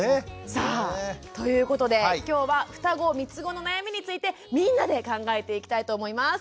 さあということで今日は「ふたご・みつごの悩み」についてみんなで考えていきたいと思います。